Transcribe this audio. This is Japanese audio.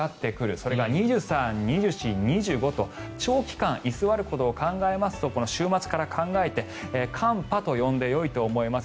それが２３日、２４日、２５日と長期間居座ることを考えますとこの週末から考えて寒波と呼んでよいと思います。